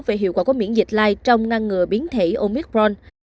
về hiệu quả của miễn dịch lai trong ngăn ngừa biến thể omicron